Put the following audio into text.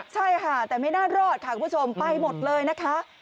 ใช่ค่ะแต่ไม่น่ารอดค่ะคุณผู้ชมไปหมดเลยนะคะ